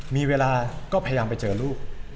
มีเวลาก็พยายามไปเจอลูก